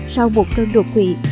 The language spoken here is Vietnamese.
sau một cơn đột quỵ